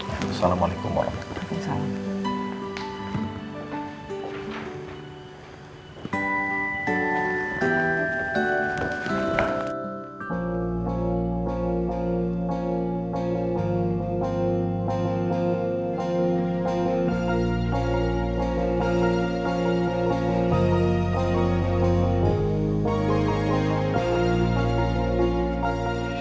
assalamualaikum warahmatullahi wabarakatuh